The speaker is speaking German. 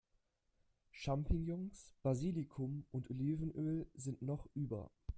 Champignons, Basilikum und Olivenöl sind noch über.